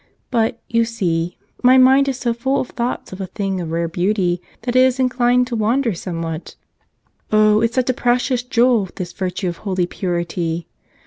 But, you see, my mind is so full of thoughts of a thing of rare beauty that it is inclined to wander somewhat. Oh, it's such a precious jewel, this virtue of holy purity!